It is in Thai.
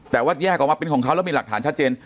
แต่ว่าแยกออกมาเป็นของเขาแล้วมีหลักฐานชัดเจน